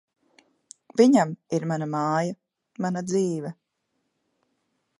Viņam ir mana māja, mana dzīve.